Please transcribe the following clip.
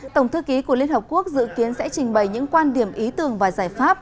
tổng thư ký của liên hợp quốc dự kiến sẽ trình bày những quan điểm ý tưởng và giải pháp